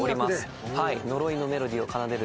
呪いのメロディーを奏でる